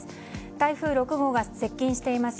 台風６号が接近しています